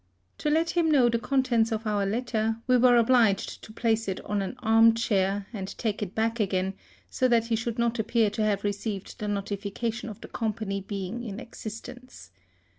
To let him know the contents of our letter, we were obliged to place it on an arm chair, and take it back again, so that he should not appear to have received the notification of the Company being in existence.